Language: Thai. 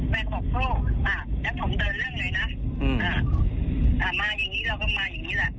แล้วผมเดินเรื่องหน่อยนะมาอย่างนี้เราก็มาอย่างนี้แหละ